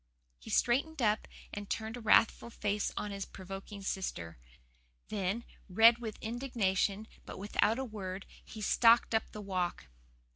He straightened up and turned a wrathful face on his provoking sister. Then, red with indignation, but without a word, he stalked up the walk.